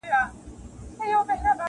چي آواز یې داسي ډک دی له هیبته -